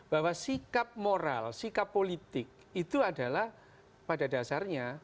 bahwa sikap moral sikap politik itu adalah pada dasarnya